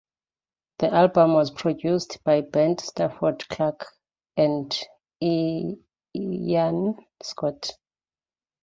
The album was produced by Bunt Stafford Clark and Iain Scott.